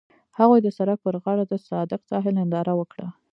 هغوی د سړک پر غاړه د صادق ساحل ننداره وکړه.